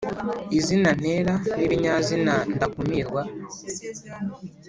izina ntera, n’ibinyazina ndakumirwa